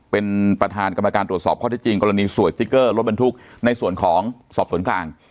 เป็นประธานกรรมการตรวจสอบข้อที่จริงกรณีสวยสติ๊กเกอร์รถบรรทุกในส่วนของสอบสวนกลาง